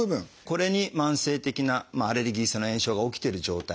これに慢性的なアレルギー性の炎症が起きてる状態。